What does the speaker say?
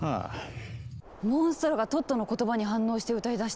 モンストロがトットの言葉に反応して歌いだした。